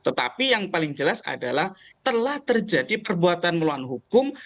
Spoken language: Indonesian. tetapi yang paling jelas adalah telah terjadi perbuatan melawan hukum